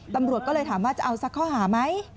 ตำรวจก็เลยถามว่าจะเอาสักข้อหาไหม